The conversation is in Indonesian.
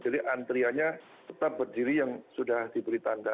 jadi antrianya tetap berdiri yang sudah diberi tanda